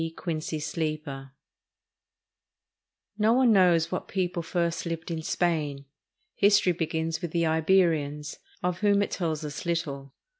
QUINCY SLEEPER No one knows what people first lived in Spain. History begins with the Iberians, of whom it tells us Httle.